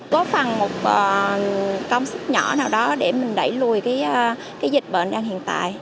góp phần một công sức nhỏ nào đó để mình đẩy lùi cái dịch bệnh đang hiện tại